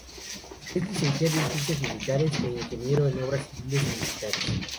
Es licenciado en ciencias militares e ingeniero en obras civiles y militares.